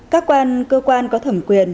các quan cơ quan có thẩm quyền